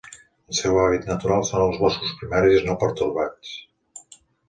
El seu hàbitat natural són els boscos primaris no pertorbats.